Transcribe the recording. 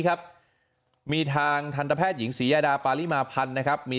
ครับมีทางทันตแพทย์หญิงศรียดาปาริมาพันธ์นะครับมี